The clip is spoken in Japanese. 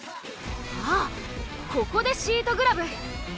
ああここでシートグラブ。